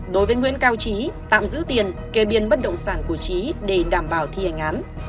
đối với nguyễn cao trí tạm giữ tiền kê biên bất động sản của trí để đảm bảo thi hành án